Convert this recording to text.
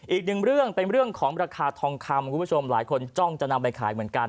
อีกหนึ่งเรื่องเป็นเรื่องของราคาทองคำคุณผู้ชมหลายคนจ้องจะนำไปขายเหมือนกัน